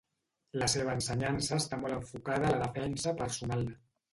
La seva ensenyança està molt enfocada a la defensa personal.